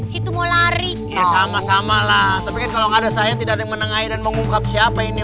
situ mau lari sama sama lah tapi kalau ada saya tidak ada yang menengahi dan mengungkap siapa ini